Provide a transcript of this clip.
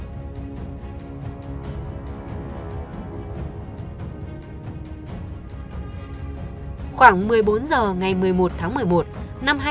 khoảng một mươi bốn h ngày một mươi một tháng một mươi một năm hai nghìn một mươi ba thư điều khiển xe ô tô có sắc của anh dương đình bằng trong cốp lên thôn thống nhất xã phú lê huyện bắc sơn lạng sơn quê của thừa